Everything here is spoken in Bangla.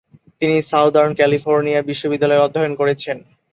তিনি সাউদার্ন ক্যালিফোর্নিয়া বিশ্ববিদ্যালয়ে অধ্যয়ন করেছেন।